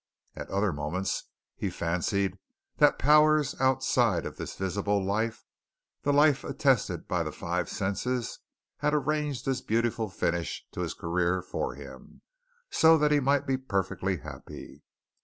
At other moments he fancied that powers outside of this visible life, the life attested by the five senses, had arranged this beautiful finish to his career for him so that he might be perfectly happy.